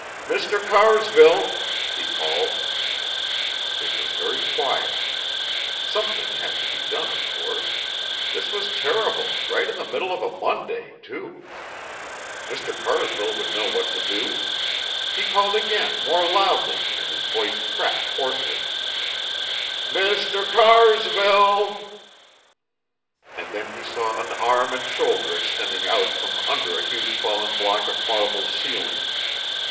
"Mr. Carsville," he called. It was very quiet. Something had to be done, of course. This was terrible, right in the middle of a Monday, too. Mr. Carsville would know what to do. He called again, more loudly, and his voice cracked hoarsely, "Mr. Carrrrsville!" And then he saw an arm and shoulder extending out from under a huge fallen block of marble ceiling.